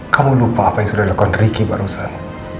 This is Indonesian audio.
kamu lupa apa yang sudah dilakukan ricky barusan